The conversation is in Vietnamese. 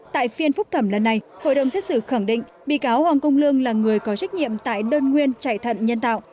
tại phiên phúc thẩm lần này hội đồng xét xử khẳng định bị cáo hoàng công lương là người có trách nhiệm tại đơn nguyên chạy thận nhân tạo